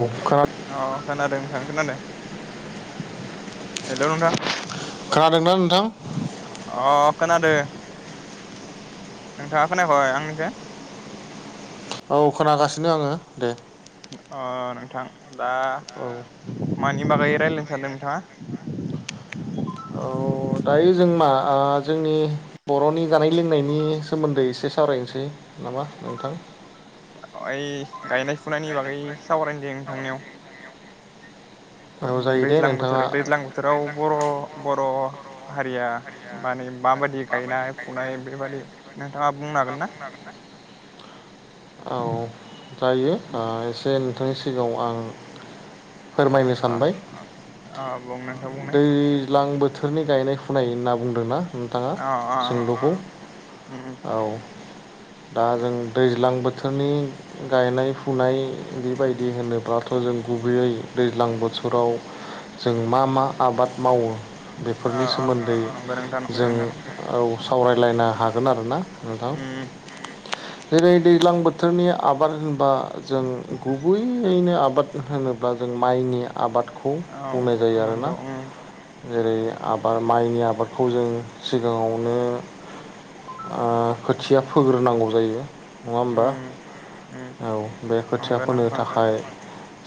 औ खोना औ खोनादों थां खोनादो हेलौ नोंथां खोनादोंना नोंथां [inaudible] अ खोनादो नोंथाङा खोनायाखय आंनिखो। औ खोनागासिनो आङो दे। अ नोंथां। दा औ मानि बागै रायलायनो सानदों नोंथाङा? अ दायो जों मा ओ जोंनि बर'नि जानाय लोंनायनि सोमोन्दै एसे सावरायनोसै नामा नोंथां? अ ओइ गायनाय फुनायनि बागै सावरायनि दे नोंथांनियाव। औ ओम जायो दे दैज्लां बोथोर नोंथाङा दैज्लां बोथोराव बर' बर' हारिया माने माबायदि गायनाय फुनाय बेबायदि नोंथाङा बुंनो हागोन ना? औ जायो ओ एसे नोंथांनि सिगाङाव आं फोरमायनो अ सानबाय। अ बुं नों दैज्लां बो थोरनि गायनाय फुनाय ना बुंदोंना नोंथाङा अ अ सोंलुखौ उम उम औ। दा जों दैज्लां बोथोरनि गायनाय फुनाय बेबायदि होनोब्लाथ' जों गुबैयै दैज्लां बोथोराव जों मा मा आबाद मावो अ बेफोरनि अ सोमोन्दै नंगौ नोंथां नंगौ जों औ सावरायलायनो हा गोन आरो ना नोंथां। उम जेरै दैज्लां बोथोरनि आबाद होनबा जों गुबैयैनो आबाद होनोब्ला जों माइनि आबादखौ औ बुंनाय जायो आरो नंगौ ना। उम जेरै आबाद माइनि आबादखौ जों सिगाङावनो खोथिया ओ फोग्रोनांगौ जायो। नङा उम होमबा उम औ बे खोथिया नंगौ फोनो नोंथां थाखाय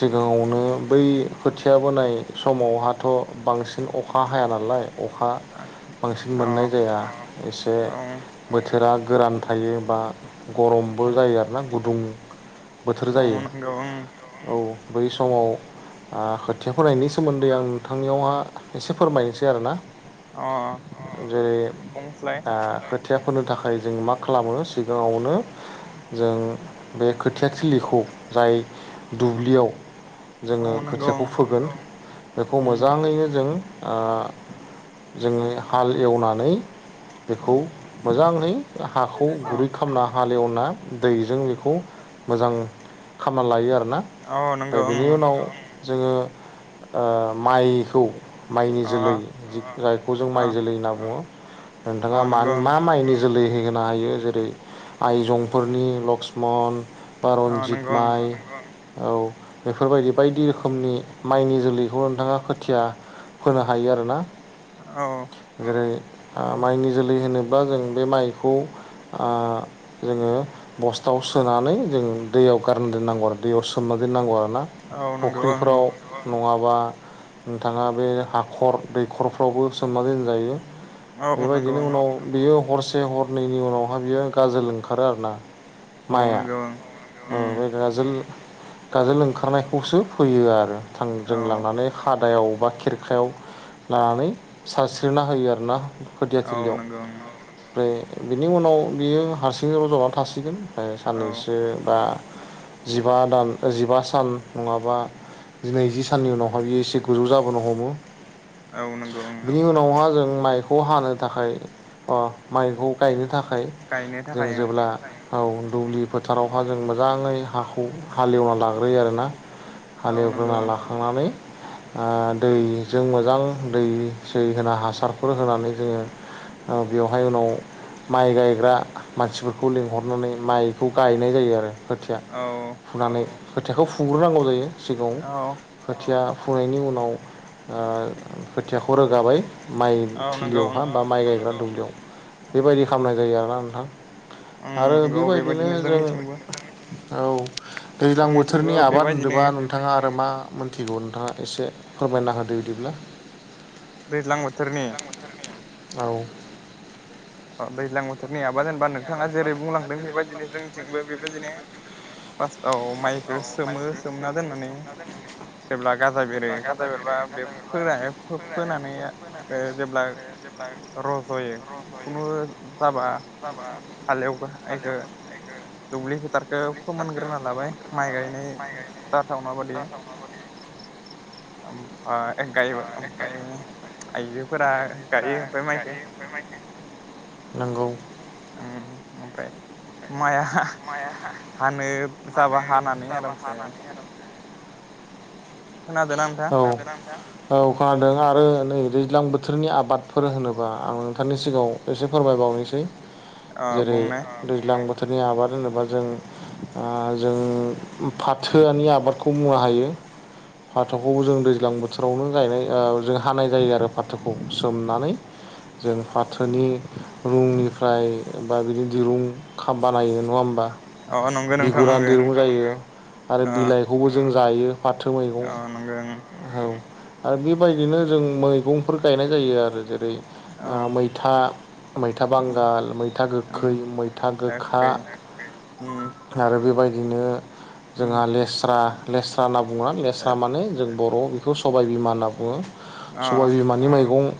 सिगाङावनो बै खोथिया बोनाय समावहाथ' बांसिन अखा हाया नालाय। अखा बांसिन औ मोननाय जाया एसे औ बोथोरा गोरान थायो। बा गरमबो औ जायो आरो ना गुदुं बोथोर औ जायो। नंगौ ओं औ। बै समाव आ खोथिया फरायनायनि सोमोन्दै आं नोंथांनियावहा एसे फोरमायनोसै। ना अ जेरै बुंस्लाय आ खोथिया होनो थाखाय जों मा खालामो सिगाङावनो जों बे खोथिया थिलिखौ जाय दुब्लियाव औ जोङो नंगौ खोथियाखौ ओं फोगोन खौ उम मोजाङैनो जों ओ जोङो हाल एवना नै अ बेखौ मोजाङै हाखौ अ गुरै खालामना हालेवना दैजों बेखौ मोजां खामना लायो आरो ना औ नंगौ फ्राय ओं बिनि उनाव जोङो ओ माइखौ माइनि अ जोलै जायखौ जों अ माइ जोलै होनना बुङो नोंथाङा अ मा नंगौ ओं मा माइनि जोलै होयो? होनो हायो जेरै आइजंफोरनि लक्ष्मन बा अ रनजित नंगौ ओं माइ औ बेफोरबायदि बायदि रोखोमनि माइनि जोलै बेखौ नोंथाङा खोथिया फोनो हायो आरोना औ जेरै ओ माइनि जोलै होनो बा जों बे माइखौ ओ जोङो बस्थाव सोनानै जों दैयाव गारनो दोननांगौ आरो दैयाव सो सोमना दोननांगौ आरोना औ नंगौ ओं फुख्रिफ्राव नवाव बा नोंथाङा बे हाखर दैखर फ्रावबो सोमनानै दोनजायो औ नंगौ बेबायदिनो उनाव बियो हरसे हर नैनि उनावहा बियो गाजोल ओंखार खार आरो ना ओं औ माइआ नंगौ ओं औ उम बे गाजोल गाजोल ओंखारनायखौसो फैयो आ रो औ थांजों लां बे खादायाव बा खेरखायाव लानानै सारस्रिना होयो आरोना औ खोथियाथिलियाव नंगौ ओं ओमफ्राय बिनि उनाव बियो हारसिङै रजना थासिगोन ओ औ साननैसो बा जिबा दान जिबा सान नङाबा। जिनैजि साननि उनाव मायलि एसे गोजौ जाबोनो हमो। औ नंगौ ओं बिनि उनावहा जों माइखौ हानो थाखाय अ माइखौ गायनो थाखाय थाखाय जों जेब्ला‌ औ दुब्लि फोथारावहा जों मोजाङै हाखौ हालेवना लाग्रोयो आरोना। ओं औ नंगौ हालेवग्रोना लाखांनानै ओ दैजों मोजां दै सै होना हासारफोर होनानै जोङो ओ बेवहाय उनाव माइ गायग्रा मानसिफोरखौ लिंहरनानै माइखौ गायनाय जायो आरो। खोथिया ओं औ फुनानै खोथाखौ फुंग्रोनांगौ जायो सिगौ औ खोथिया फुनायनि उनाव। आं खोथिया खौ रोगाबाय माइ औ नंगौ ओं थिलियावहा बा माइ गायग्रा दं बेयाव बेबायदि खालामनाय जायो आ ना नोंथां। ओं आरो नंगौ बेबायदिनो जों जोंनिथिंबो औ। दैज्लां जोंनिथिंबो बोथोरनि आबाद बेबायदिनो होनोबा नोंथाङा आरो मा मिनथिगौ नोंथाङा। एसे फोरमायना होदो बिदिब्ला दैज्लां बोथोरनि औ। अ दैज्लां बोथोरनि आं बा जेनेबा नोंथाङा जेरै बुंलांदों बेबायदिनो जोंनिथिंबो बेबायदिनो फास्टआव माइखौ सोमो सोमना दोननानै जेब्ला गाजा बेरो गाजा बेरबा बे फोना फोनानै ओ जेब्ला रज'यो खुनु जाबा हालेवखौ दुब्लि फोथारखौ फोमोनग्रोना ला माइ गायनाय जाथाव नाबादि ओमफाय गाय ओमफाय आइजोफोरा गायो ओमफाय माइख नंगौ। ओमफ्राय माया माया माने हानानै आरामसे प्रहाबाहानानै आर खोनादोंना नोंथां औ ओ अखा हादों आरो नै दैज्लां बोथो- रनि आबादफोर होनोबा आं थांनि सिगाङाव एसे फोरमायबावनोसै अ जेरै बुंनाय दैज्लां बोथ- थोरनि आबाद होनोबा जों ओ जों फाथोआनि आबादखौ मुवा हायो फाथोखौबो जों दैज्लां बोथोरावनो गायनाय ओ जों हानाय जायो आरो फाथोखौ सोमनानै जों फाथोनि रुंनिफ्राय बा बिनि दिरुं खा बानायो नङा होमबा। अ नंगौ नोंथां बिगुरा नंगौ दिरुं जायो आरो अ बिलाइखौबो जों जायो फाथो मैगं अ नांगो उम औ आरो बेबायदिनो जों मैगंफोर गायनाय जायो आरो जे- रै औ आ मैथा मैथा बांगाल मैथा गोखै मैथा गोखा थाखाय अ आरो बेबाय- दिनो जोंहा लेस्रा लेस्रा होनना बुङा लेस्रा तामाने जों बर' सबाय बिमा बुङो सबाय बिमानि मैगं ओ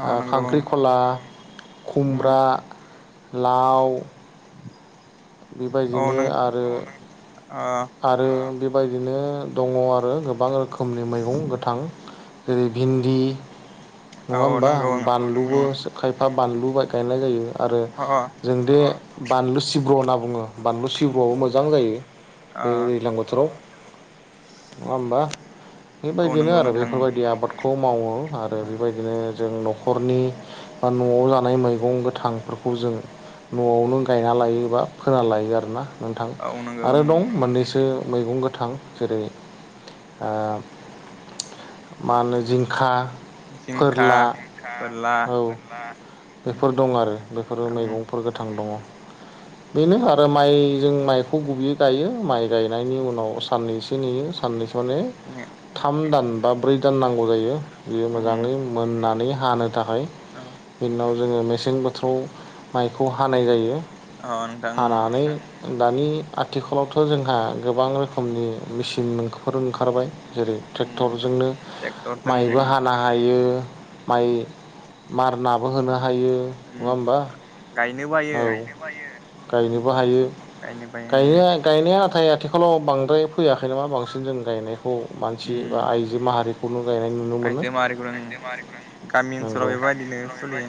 औ नंगौ खांख्रिखला ओं खुमब्रा लाउ [inaudible] औ बेबायदिनो नों आरो आरो बेबायदिनो दङ आरो गोबां रोखोमनि मैगं गोथां जेरै भिन्दि नङा औ होमबा नंगौ बानलुबो ओं सो खाय बा बानलु गायनाय जायो आरो जों दे बानलु सिब्र' होनना बुङो बानलु सिब्रआबो मोजां जायो अ दै दैज्लां बोथोराव नङा ओमबा औ बेबायदिनो नंगौ आरो नोंथां बेफोरबायदि आबादखौ मावो आरो बेबायदिनो जों न'खरनि बा न'आव जानाय मैगं गोथांफोरखौ जों न'आवनो गायना लायो बा फोना लायो आरोना नोंथां औ नंगौ ओं आरो दं बेसो मैगं गोथां जेरै ओ मा होनो जिंखा जिंखा फोरला फोरला जिंखा औ फोरला बेफोर दं आरो बेफोरो अ मैगंफोर गोथां दङ बेनो आरो माइ जों माइखौ गुबैयै गायो। माइ गायनायनि उनाव साननैसो नेयो साननैसो थाम दान बा ब्रै दान नांगौ जायो बियो मोजाङै मोननानै हानो थाखाय बिनाव [unintelligible] माइखौ हानाय जायो नोंथां हानानै दानि आथिखालाव जोंहा गोबां रोखोमनि मेसिनफोर ओंखारबाय। जेरै ट्रेक्टरजोंनो ट्रेक्टरजों माइबो हानो हायो माइ मारनाबो होनो हा हायो नङा उम होमबा गायनो बायो औ गायनोबो हायो गायनो बायो उम गायो। [unintelligible] आथिखालाव बांद्राय फैयाखै नामा बांसिन जों गायनायखौ मानसि उम बा आइजो माहारि गायनाय नुनो मोनो आइजो माहारिखौ जों गामि ओनसोलाव नंगौ बेबायदिनो सोलियो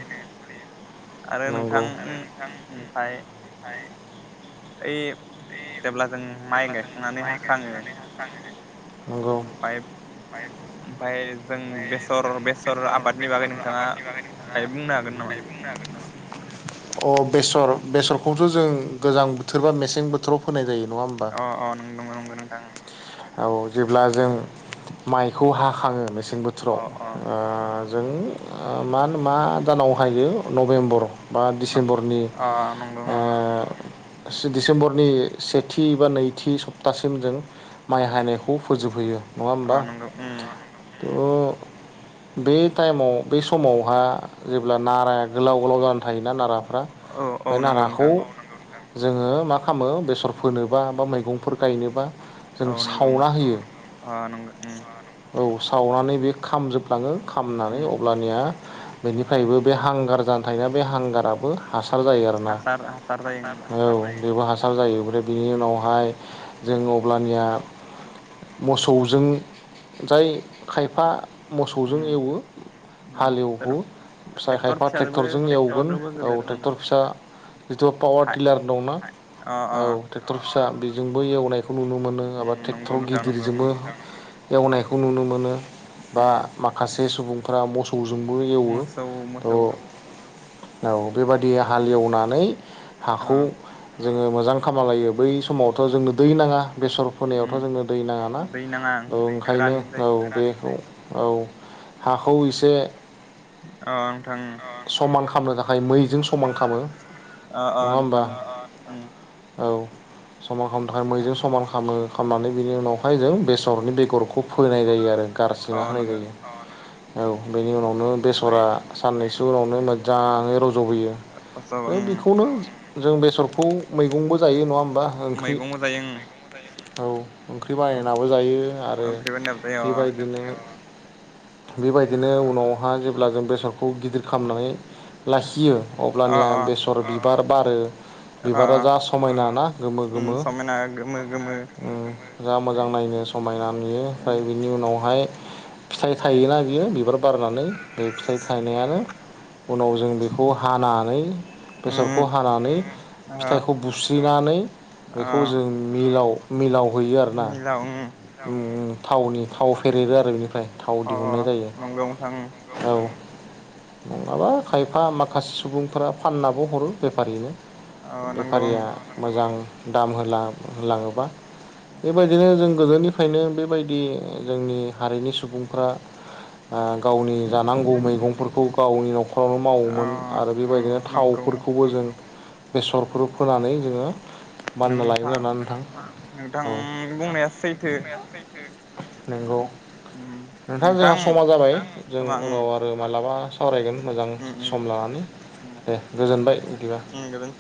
आरो नंगौ। नोंथां उम ऐ जेब्ला जों माइ गायखांनानै हाखाङो नंगौ ओमफाय ओमफाय जों बेसर बेसर आबादनि बागै नोंथाङा बाय बुंनो हागोन नामा? [inaudible] अ बेसर बेसरखौ जों गोजां बोथोर बा मेसें बोथोर बोथोराव फोनाय जायो। नङा होमबा अ अ नोंगौ नंगौ नोंथां उम। औ जेब्ला जों माइखौ हाखाङो नोंसोर बेसें अ बोथोराव अ ओ जों मा होन मा दानाव हायो नभेम्बर। बा डिसेम्बरनि अ नंगौ ओ दिसेम्बर नि सेथि बा नैथि सप्तासिम जों माइ हायनायखौ फोजोबहोयो। अ नंगौ उम। थ बे टाइमाव बे समावहा जेब्ला नारा गोलाव गोलाव जाना थायोना नाराफ्रा औ बे औ नंगौ नाराखौ नोंथां जोङो मा खामो बेसर फोनोबा बा मैगंफोर गायनोबा जों औ नंगौ उम सावना होयो अ नंगौ उम। औ सावनानै बे खामजोबलाङो खामनानै उम अब्लानिया बेनिफ्रायबो बे हांगार जानो थायना। बे हांगाराबो हासार जायो आरोना हासार हासार जायो हासार‌ [unintelligible] औ बेबो हासा जायो। आरो बिनि ओं उनावहाय जों अब्लानिया मोसौजों जाय खायफा मोसौजों उम एवो उम उम हाल एवहो फिसा ट्रेक्टर खायफा फिसाजोबो ट्रेक्टरजों एवगोन ट्रेक्टरजोंबो औ गिदिर उम ट्रेक्टर फिसा जिथु पावार हा टिलार दंना। अ अ औ टेक्टर फि बेजोंबो एवनाय खो नुनो मोनो एबा उम नंगौ टेक्टराव नोंथां नंगौ उम गिदिरजोंबो एवनायखौ नुनो मोनो। बा उम माखासे सुबुंफोरा मोसौजोंबो एवो मोसौ मोसौ थ' औ बेबादि हाल उम एवनानै अ हाखौ जोङो मोजां खामालायो बै समावथ' जोंनो दै नाङा बेसर उम फोनायावथ' जोंनो दै नाङाना दै नाङा थ' [unintelligible] ओंखायनो गोरानैनो जायो औ बेखौ औ हाखौ एसे अ नोंथां उम। [unintelligible] थाखाय मैजों समान खामो अ अ नङा होमबा? नोंथां उम अ अ‌ नोंथां औ समान खामनो थाखाय मैजों समान खामो। खामनानै बिनि उनावहाय जों बेसरनि बेगरखौ फोनाय जायो आरो अ गारसोना होनाय नंगौ जायो अ‌‌ नोंथां। औ बेनि उनाव नो ओमफ्राय बेसरा साननैसो उनावनो मोजाङै रज'बोयो सब उम दा बेखौनो जों बेसरखौ मैगंबो जायो नङा होम मैगंबो जायो उम औ ओंख्रि बायनाबो जायो आरो ओंख्रिबो होननाबो जायो अ बेबायदिनो। बेबायदिनो उनावहा जेब्ला जों बेसर खौ गिदिर खालामनानै लाखियो अ अब्लानिया बेसर बिबार बारो अ बिबारा जा समायना ना गोमो उम गोमो समायना गोमो गोमो उम जा मोजां ओमफ्राय नायनो समायना नुयो फाय उम बिनि उनावहाय फिथाइ थायोना बियो बिबार बारनानै बे फिथाइ थायनायानो उनाव जों बेखौ हानानै बेसरखौ उम हानानै अ फिथाइखौ बुस्रिनानै बेखौ ओ जों मिलाव मिलावहैयो आरोना मिलाव उम उम। थावनि थाव फेरेरो आरो बेनिफ्राय थाव अ दिहुननाय जायो नंगौ नोंथां औ। नङाबा खायफा माखासे सुबुंफोरा फाननाबो हरो बे फारिनो। अ नंगौ बेफारिया ओं मोजां दां दाम होला होलाङोबा बेबायदिनो जों गोदोनिफ्रायनो बेबायदि जोंनि हारिनि सुबुंफ्रा ओ गावनि जानांगौ मैगंफोरखौ गावनि न'खरावनो अ मावोमोन आरो उम बेबायदिनो नंगौ थावफोरखौबो जों बेसरखौ फोनानै जोङो बानायना नोंथां लायोमोन आरोना नोंथां नोंथां औ बुंनाया सैथो नंगौ नोंथां जोंहा समा जाबाय जों समा उम उनाव आरो मालाबा सावरायगोन मोजां उम सम लानानै उम दे गोजोनबाय बिदिबा। उम गोजोन